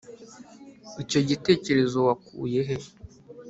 icyo gitekerezo wakuye he